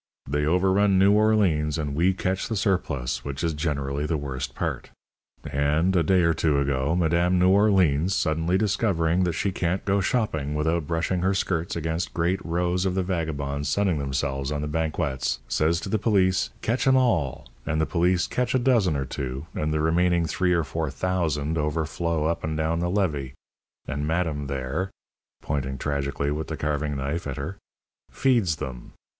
"They overrun New Orleans, and we catch the surplus, which is generally the worst part. And, a day or two ago, Madame New Orleans, suddenly discovering that she can't go shopping without brushing her skirts against great rows of the vagabonds sunning themselves on the banquettes, says to the police: 'Catch 'em all,' and the police catch a dozen or two, and the remaining three or four thousand overflow up and down the levee, and madame there," pointing tragically with the carving knife at her "feeds them.